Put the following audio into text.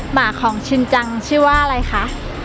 หมาของชินจังชื่อว่าอะไรคะ